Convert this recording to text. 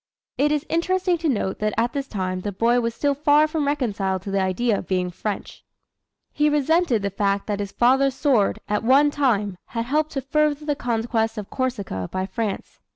It is interesting to note that at this time the boy was still far from reconciled to the idea of being French. He resented the fact that his father's sword, at one time, had helped to further the conquest of Corsica by France.